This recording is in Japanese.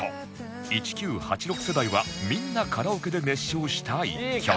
１９８６世代はみんなカラオケで熱唱した１曲